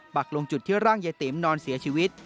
ักลงจุดที่ร่างยายติ๋มนอนเสียชีวิต